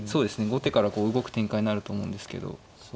後手からこう動く展開になると思うんですけど。